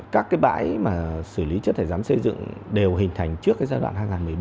các bãi xử lý chất thải rắn xây dựng đều hình thành trước giai đoạn hai nghìn một mươi bốn